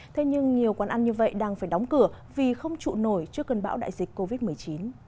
thế nhưng nhiều quán ăn như vậy đang phải đóng cửa vì không trụ nổi trước cơn bão đại dịch covid một mươi chín